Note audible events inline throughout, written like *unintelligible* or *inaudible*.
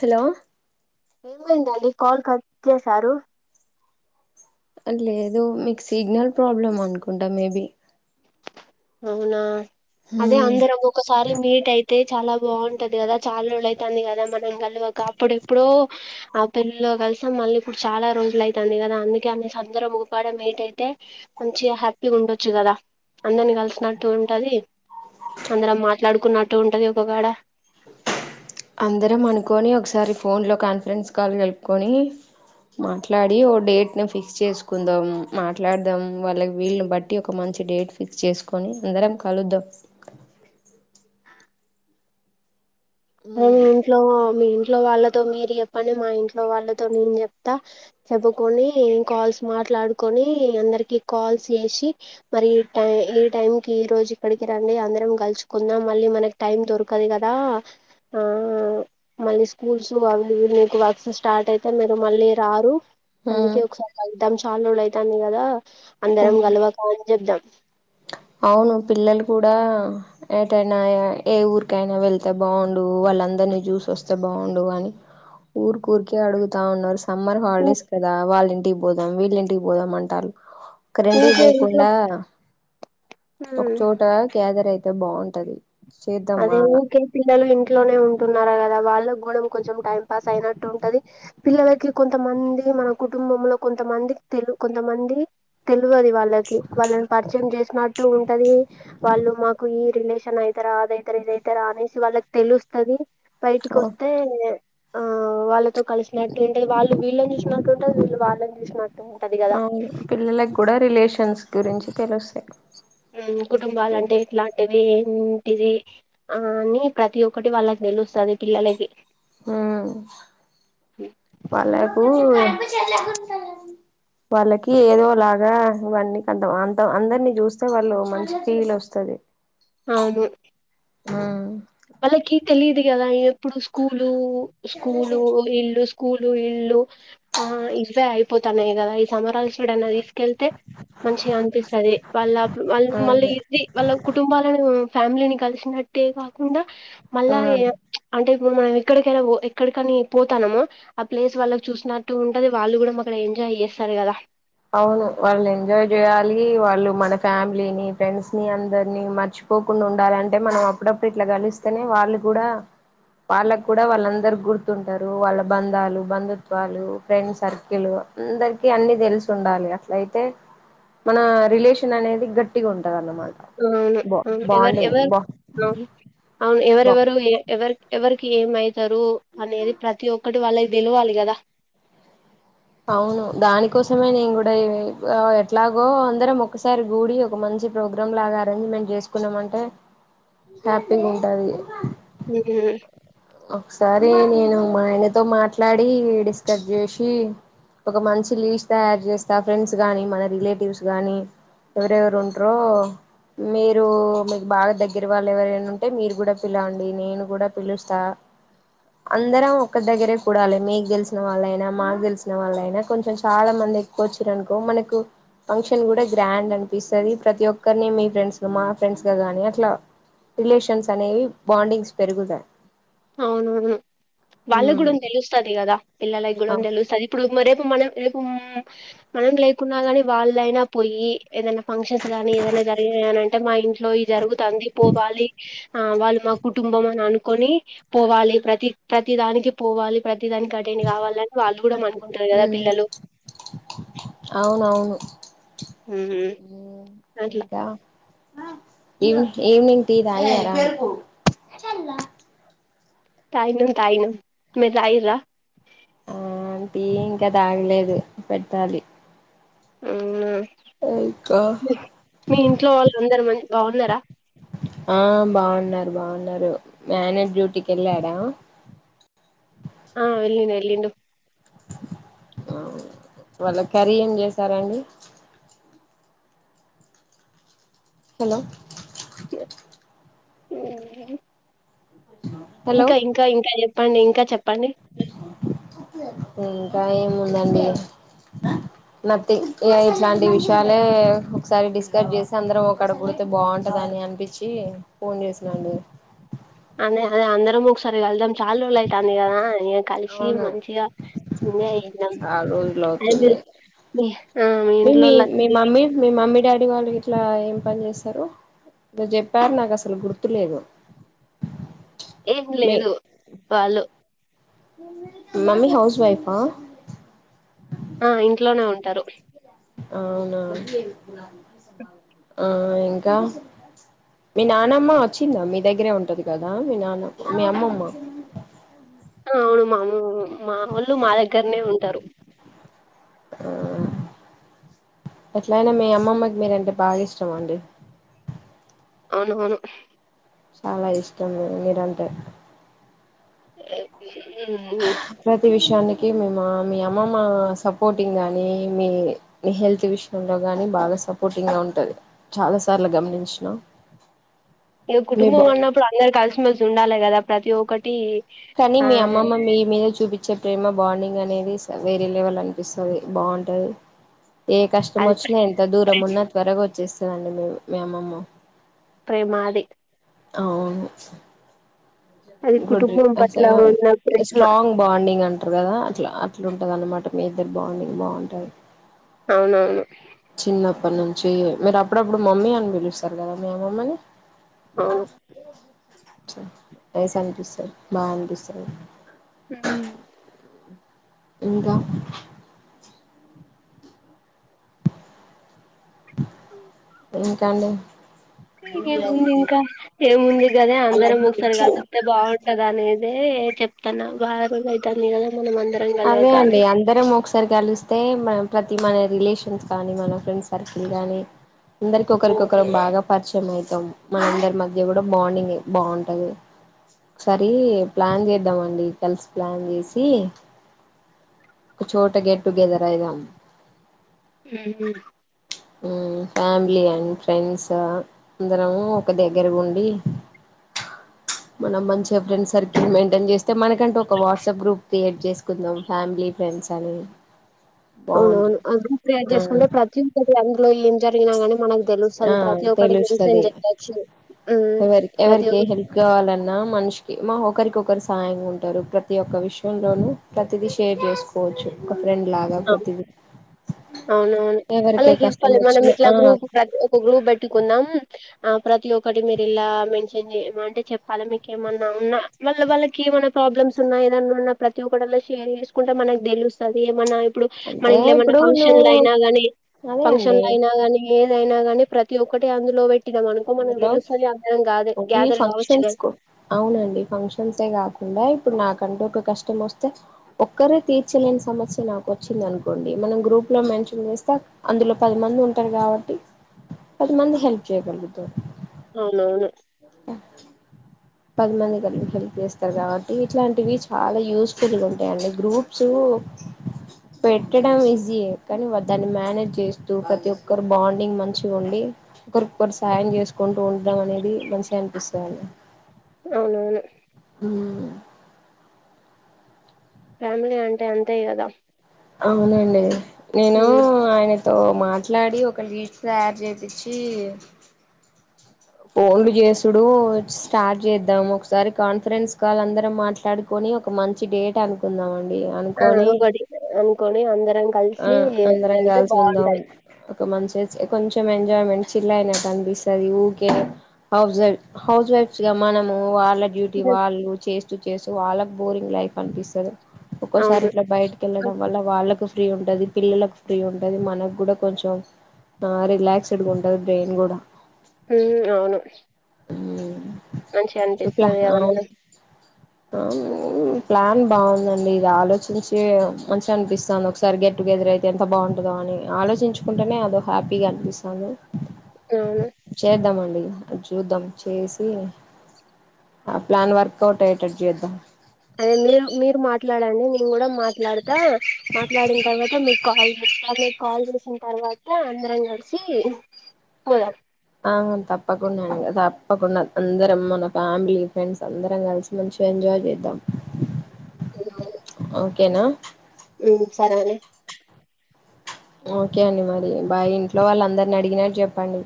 Hello ఏమైందండి call cut చేసారు లేదు మీకు సిగ్నల్ ప్రాబ్లమ్ అనుకుంటా మేబి అవునా అదే అందరం ఒకోక్కసారి మీట్ అయితే చాలా బాగుంటది కదా చాలా రోజులైతాంది కదా మనం కలువక అప్పుడెప్పుడు ఆ పెళ్ళిలో కలిసాం మళ్ళీ ఇప్పుడు చాలా రోజులు అయితది కదా అందుకే అందరం ఒక కాడ మీట్ అయితే మంచి హ్యాపీ ఉండొచ్చు కదా అందరిని కలిసి వచ్చినట్టు ఉంటది అందరం మాట్లాడుకున్నట్టు ఉంటది ఒకగాడ అందరం అనుకొని ఒకసారి ఫోన్లో కాన్ఫరెన్స్ కాల్ కలుపుకొని మాట్లాడి ఓ డేట్ ని ఫిక్స్ చేసుకుందాం మాట్లాడదాం వాళ్ళకి వీళ్ళని బట్టి ఒక మం మంచిడేట్ ఫిక్స్ చేసుకొని అందరం కలుద్దాం మీ ఉమ్ ఇంట్లో మా మీ ఇంట్లో వాళ్ళతో మీరు చెప్పండి మా ఇంట్లో వాళ్ళతో నేను చెప్తా చెప్పుకొని కాల్స్ మాట్లా మాట్లాడుకొని అందరికి కాల్స్ చేసి మరి ఈ టై ఈ టైంకి ఈ రోజు ఇక్కడికి రండి అందరం కలుచుకుందాం మళ్ళీ మనకి టైం దొరకదు కదా ఆ మళ్ళీ స్కూల్స్ *unintelligible* వర్క్స్ స్టార్ట్ అయితే మీరు మళ్ళీ రారు అందుకే ఒకసారి కలుద్దాం చాలా రోజులు అయితాంది కదా అందరం ఉమ్ గలవక అని చెప్దాం అవును పిల్లలు కూడా ఏటైనా ఏ ఊరికైనా వెళ్తే బాగుండు వాళ్ళందర అందరిని చూసి వస్తే బాగుండు అని ఊర్కరిక అడుగుతా ఉన్నారు సమ్మర్ ఊ హాలిడేస్ కదా వాళ్ళ ఇంటికి పోదాం వీళ్ళు ఇంటికి పోదాం అంటారు కరెంటు ఊకే ఇంట్లో పోకుండా ఒక హ్మ్ చోట కేదర్ అయితే బాగుంటది చేద్దామా అదే ఊరికే పిల్లలు ఇంట్లోనే ఉంటున్నారా వాళ్ళ కూడా కొంచెం టైం పాస్ అయినట్టు ఉంటది పిల్లలకి కొంతమంది మన కుటుంబంలో కో కొంతమంది తెలుగు కొంతమంది తెలుగు అది వాళ్ళకి వాళ్ళని పరిచయం చేసినట్టు ఉంటది వాళ్ళు మాకు ఈ రిలేషన్ అయి అతార అదైతార ఇదైతారా అనేసి వాళ్ళకి తెలుస్తుంది బయటికి ఓ, వస్తే ఆ వాళ్ళతో కలిసినట్టు ఏంటే వాళ్ళు వీళ్ళని చూసినట్టుంటారు వీళ్ళు వాళ్ళని చూసినట్టు ఉంటది కదా అవును పిల్లలకి కూడా రిలేషన్స్ గురించి తెలుస్తాయి రెండు రే కుటుంబాలంటే ఇట్లాంటిది ఇది ఆ అని ప్రతి ఒక్కటి వాళ్ళకి తెలుస్తాది పిల్లలకి ఆ వాళ్లకు వాళ్ళకి ఏదో లాగా ఇవన్నీంత అంత అందరినీ చూస్తే వాళ్ళు మంచి ఫీల్ వస్తు వస్తది అవును ఆ గేద ఎప్పుడు స్కూలు స్కూలు ఇల్లు స్కూలు ఇల్లు ఆ ఇవే అయిపోతాన్నాయి కదా ఈ సంమరాలు చూడనా తీసుకెళ్తే మంచిగా అనిపిస్తది వాళ్ళ వాళ్ళ మళ్ళీ అదే ఇది వాళ్ళ కుటుంబాలను ఫ్యామిలీని కలిసినట్టే కాకుండా మళ్ళ ఆ ఏ అంటే ఇప్పుడు మనం ఎక్కడికైనా ఎక్కడికని పోతానమో ఆ ప్లేస్ వాళ్ళకి చూసినట్టు ఉంటది వాళ్ళు కూడా మాక్కడ ఎంజా జాయ్ చేస్తారు కదా అవును వాళ్ళు ఎంజాయ్ చేయాలి వాళ్ళు మన ఫ్యామిలీని ఫ్రెండ్స్ ని అందరినీ మర్చి పోకుండా ఉండాలి అంటే మనం అప్పుడప్పుడు ఇట్లా కలిస్తేనే వాళ్ళు కూడా వాళ్ళకూడా వాళ్ళందరు గుర్తుంటారు వాళ్ళ బంధాలు బంధుత్వాలు ఫ్రెండ్స్ సర్కిలు అందరికి అన్ని తెలుసు ఉండాలి అట్లయితే మన రిలేషన్ అనేది గట్టిగా ఉంటంది అన్నమాట అవును బా అవునుఎవరు బాండింగ్ ఎవరు బా అవును బా ఎవరెవరు ఎవరి ఏ ఎవరి ఏమవుతారు అనేది ప్రతి ఒక్కటి వాళ్ళకి తెలవాలి కదా అవును దానికోసమే నేను కూడా ఎట్లాగో అందరం ఒకసారి గూడి ఒక మం మంచి ప్రోగ్రామ్ లాగా అరేంజ్మెంట్ చేసుకున్నామ అంటే హ్యాపీగా ఉంటాది హ్మ్ ఒకసారి నేను మా ఆయనతో మాట్లాడి డిస్కట్ చేసి ఒక మంచి లీజ్ తయారు చేస్తా ఫ్రెండ్స్ గాని మన రిలేటివ్స్ గాని ఎవరు ఎవరు ఉండ్రో మీరు మీకు బాగా దగ్గర వాళ్ళు ఎవరైనా ఉంటే మీరు కూడా పిలవండి నేను కూడా పిలుస్తా అందరం ఒకక్క దగ్గరే కూడాలి మీకు గెలిసిన వాళ్ళైనా మా గెలిచిన వాళ్ళ అయినా కొంచెం చాలా మంది కూచ్చర అనుకో మనకు ఫంక్షన్ కూడా గ్రాండ్ అనిపిస్తుంది ప్రతి ఒక్కరిని మీ ఫ్రెండ్స్ లో మా ఫ్రెండ్స్ గా కానీ అట్లా రిలేషన్స్ అనేవి బాండింగ్స్ పెరుగుతాయి అవునవును ఉమ్ వాళ్ళకి కూడా తెలుస్తుది కదా పిల్లలకి కూడా అ తెలుస్తుంది ఇప్పుడు మరే మనం రేపు మనం లేకున్నా గాని వాళ్ళయినా పోయి ఏదైనా ఫంక్షన్స్ గానీ ఏదైనా జరిగినని అంటే మా ఇంట్లో ఈ జరుగుతుంది పోవాలి ఆ వాళ్ళు మా కుటుంబం అని అనుకొని పోవాలి ప్రతి ప్రతి దానికి పోవాలి ప్రతి ప్రతి దానికి కటేని కావాలని వాళ్ళు కూడా అనుకుంటారు కదా ఉమ్ పిల్లలు అవునవును ఉ. హ అట్ల ఈవ ఈవనింగ్ టీ రయి లేద తయి ను తయి ను మీ తయి రా ఆ అంటీ ఇంకా తాగలేదు పెట్టాలి ఆ ఇంకా మీ ఇంట్లో వాళ్ళు అందరు మంచి బాగున్నారా ఆ బాగున్నారు బాగున్నారు మీ ఆయన డ్యూటీకి వెళ్ళాడా ఇను వాళ్ళ కర్రీ ఏం చేసారండి హలో అమరి హలో ఇంకా ఇంకా ఇంకా చెప్పండి ఇంకా చెప్పండి ఇంకా ఏముందండి నథింగ్ ఇ ఇట్లాంటి విషయాలే ఒకసారి డిస్కస్ చేసి అందరం ఒక్కడ పడితే బాగుంటదిని అని అనిపించి ఫోన్ చేసినాను అదే అదే అందరు ముగసరి వెల్దం చాలు రలయితా అంది కదా ఏ కలిసి అవును మంచిగా ఎంజంద చాలా రోజులు అది అవుతుంది ఆ మీ ఇంట్లో వకీ అడి వాళ్ళ ఇట్లా ఏం పని చేస్తారు ఇ చెప్పారు నాకు అసలు గుర్తులేదు ఏం లేదు వాళ్ళు మమ్మి హౌస్ వైఫా ఆ ఇంట్లోనే ఉంటారు అవునా ఆ ఇంకా మీ నానమ్మ వచ్చిందా మీ దగ్గరే ఉంటది కదా మీ నాన్నమ్మ మీ అమ్మమ్మ అవును మామూ మాముళ్ళు మా దగ్గరనే ఉంటారు ఆ ఎట్లయినా మీ అమ్మమ్మకి మీరంటే బాగా ఇష్టం అండి అవునువును చాలా ఇష్టం మీరంటే ఉమ్, విషానికి మేము మీ అమ్మమ్మ సపోర్టింగ్ గాని మీ హెల్త్ విషయంలో గాని బాగా సపోర్టింగ్ గా ఉంటది చాలా సార్లు గమనించిన ఇగ మీ బా కుటుంబం అన్నప్పుడు అందరు కలిసిమెలిసి ఉండాలి కదా ప్రతి ఒక్కటి కాని ఆ మీ అమ్మమ్మ మీ మీద చూపి వచ్చే ప్రేమ బాండింగ్ అనేది స వేరే లెవెల్ అనిపిస్తది బాగుంటది ఏ కష్టం అది వచ్చినా ఎంత దూరం ఉన్న త్వరగా వచ్చేస్తదండి మి అమ్మమ్మ ప్రేమ అది అవును అది గుడ్రీ కుటుంబం అస పట్ల ఉన్న ప్రేమ స్ట్రాంగ్ బాండింగ్ అంటరు కదా అట్లా అట్లుంటంది అన్నమాట మీ ఇద్దరు బాండింగ్ బాగుంటది అవునవును అప్పటి నుంచి మీరు అప్పుడప్పుడు మమ్మీ అని పిలుస్తారు కదా మీ అమ్మమ్మ ని అవును రైస్ అనిపిస్తది బా అనిపిస్తది ఇంకా ఇంకండి ఏముంది ఇంకా ఏముంది కద అందరం ఒకసరి కలుత్తే బాగుంట నే అదే చెప్తన్న బాగా ఉంది అయితాందిగా అవే అండి అందరం ఒకసారి కలుస్ తే మన ప్రతి మన రిలేషన్స్ కానీ మన ఫ్రెండ్స్ సర్కిల్ కాని అందరికి ఒకలికొకరం బాగా పరిచయం అయితాం మన అందరి మధ్య కూడా బాండింగ్ బాగుంటది సరి ప్లాన్ చేద్దం అండి కలిసి ప్లాన్ చేసి ఒక చోట గెట్ టుగెదర్ అయిదాం ఉహు ఫ్యామిలీ అన్ ఫ్రెండ్స్ అందరము ఒక దగ్గరగుండి మనం మంచిగా ఫ్రెండ్ సర్కిల్ మెయింటైన్ చేస్తే మనకంటే ఒక వాట్సాప్ గ్రూప్ క్రియేట్ చేసుకుందాం ఫ్యామిలీ ఫ్రెండ్స్ అని బాగుంటది అవునవును అందురం క్రియేట్ ఆ చేసుకుంటే ప్రతి ఒక్క అందులో ఇన్ ఆ తెలుస్తది మెన్షన్ చేయొచ్చు ఎవరి ప్రతి ఎవరికి ఒక్క హెల్ప్ గా వలన్నా మనిషికి మా ఒకరికొకరు సాయంగుంటారు ప్రతి ఒక్క విషయంలోను ప్రతిదీ షేర్ చేసుకోవచ్చు ఫ్రెండ్ లాగా ప్రతిది అవునవును. ఎవరి ఏ అలాగే కష్టం చెప్పాలి మనం వచ్చనా ఇట్లా ఆ గ్రూప్ ప్రతి ఒక గ్రూ పెట్టుకుందం ఆ ప్రతి ఒక్కటి మీరు ఇలా మెన్షన్ చేయ అంటే చెప్పాలి మీకేమన్నా ఉన్నా వాళ్ళ వాళ్ళకి మనం ప్రాబ్లమ్స్ ఉన్నా ఏదన్నా ఉన్నా ప్రతి ఒక్కటలా షేర్ చేసుకుంటే మనకి తెలుస్తది ఏమన ఇప్పుడు మన అంటే ఇంట్లో ఏమన్నా ఇప్పుడు నువ్వు ఫంక్షన్లు అయినా గాని అదే అండి ఫంక్షన్లు అయినా గాని ఏదైనా గాని ప్రతి ఒక్కటి అందులో పెట్ అందులో ఓన్లీ గ్యాదర్ కావచ్చు ఫంక్షన్స్ కదా కు అవునండి ఫంక్షన్సే కాకు డ ఇప్పుడు నాక్ కంటు ఒక కష్టం వస్తే ఒక్కరే తీర్చలేని సమస్య నాకు వచ్చింది అనుకోండి మనం గ్రూప్ లో మే మెన్షన్ చేస్తా అందులో పది మంది ఉంటారు కాబట్టి పది మంది హెల్ప్ చేయగలుగుతాం అవునవును అ పది మంది కలికి హెల్ప్ చేస్తారు కాబట్టి ఇట్లాంటివి చాలా యూస్ఫుల్ గా ఉంటాయిండి గ్రూప్స్ కు పెట్టడం ఈజీయే కని దాన్ని మేనేజ్ చేస్తూ ప్రతి ఒక్కరు బాండింగ్ మంచిగా ఉండి ఒకరికొకరు సాయం చేసుకుంటూ ఉండడం అనేది మనిషగా అనిపిస్తాదండి అవునవును ఉమ్మ్ ఫ్యామిలీ అంటే అంతే కదా అవునండి నేను హ్మ్. ఆయన తో మాట్లాడి ఒక లీస్ట్ తయారు చేప్పిచ్చి హోల్డ్ చేసుడు స్టార్ట్ చేద్దాం ఒకసారి కాన్ఫరెన్స్ కాల్ అందరం మాట్లాడు కోని ఒక మంచి డేట్ అనుకుందాం అం డి ఆ అనుకొని ఒకటి అనుకొని అందరం ఆ కలిసి అందరం వెళ్తే కాల్సి ఉందాం బావుంటది. ఒక మంచి కొంచెం ఎంజాయ్మెంట్ చిల్ అయినట్టు అనిపిస్తాది okay house wife house wife గా మనము వాళ్ళ డ్యూటీ ఉమ్, వాళ్ళు చే స్తు చేస్తూ వాళ్ళకు బోరింగ్ లైఫ్ అనిపిస్తాది ఒక్కోసారి అవును ఇట్లా బయటకి వెళ్లడం వల్ల వాళ్ళకు ఫ్రీ ఉంటది పిల్లలకు ఫ్రీ ఉంటది మనకు కూడా కొంచెం ఆ రిలాక్స్‌డ్గుంటది బ్రెయిన్ కూడా ఉమ్మ్ అవును ఉమ్మ్ మంచిగా అనిపిస్తాది కదా మనం అవును ప్లాన్ బాగుందండి ఇది ఆలోచించి మంచిగా అనిపిస్తుంది ఒకసారి గెట్టు గేదరైతే ఎంత బాగుంటదో అని ఆలోచించుకుంటేనే అదో హ్యాపీగా అనిపిస్తుంది అవును చేద్దామండి అది చూద్దాం చేసి ఆ ప్లాన్ వర్కవుట్ అయేటట్టు చేద్దాం అదే మీరు మీరు మాట్లాడండి నేను కూడా మాట్లాడుతా మాట్లాడిన తర్వాత మీ కాల్ చేస్తా అదే కాల్ చేసిన తర్వాత అందరం కలిసి పోదాం ఆ తప్పకుండా తప్పకుండా అందరం మన ఫ్యామిలీ ఫ్రెండ్స్ అందరం కలిసి మంచిగా ఎంజా య్ చెద్దం హలో ఓకేనా ఉమ్మ్ సరే అండి ఓకే అండి మరి బాయ్ ఇంట్లో వాళ్ళ అందరిని అడిగినట్టు చెప్పండి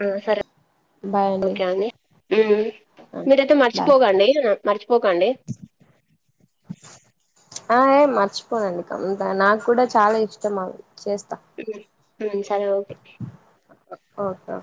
ఆ సరే *inaudible* ఓకే అండి ఉమ్మ్ మీరైతే బాయ్ మర్చిపోకండి మరిచిపోకండి ఆఎ మర్చిపోనండి కంత నాకూడా చాలా ఇష్టం అవి చేస్తా ఉమ్మ్ సరే ఓకే ఓకే ఓకే